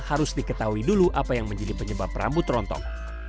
harus diketahui dulu apa yang menjadi penyebab rambut rontok